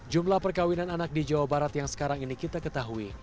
jumlah perkawinan anak di jawa barat yang sekarang ini kita ketahui